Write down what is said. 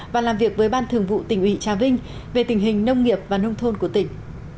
và làm việc với ban thường vụ tỉnh ủy trà vinh về tình hình nông nghiệp và nông thôn của tỉnh